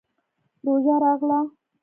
روژه راغله.